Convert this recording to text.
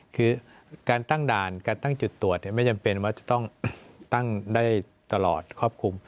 คือการตั้งด่านการตั้งจุดตรวจไม่จำเป็นว่าจะต้องตั้งได้ตลอดครอบคลุม